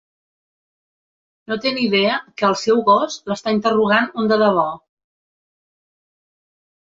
No té ni idea que al seu "gos" l'està interrogant un de debò!